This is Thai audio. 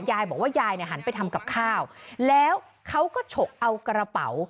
ยายบอกว่ายายเนี่ยหันไปทำกับข้าวแล้วเขาก็ฉกเอากระเป๋า